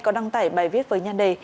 có đăng tải bài viết với nhân đề